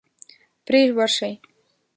پرې ورشئ.